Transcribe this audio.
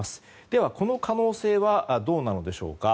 では、この可能性はどうなのでしょうか。